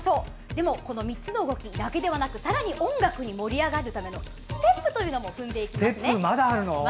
でも３つの動きだけでなくさらに音楽に盛り上がるためのステップを踏んでいきますね。